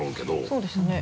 そうですね。